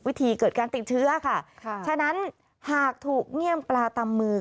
เกิดการติดเชื้อค่ะค่ะฉะนั้นหากถูกเงี่ยมปลาตำมือ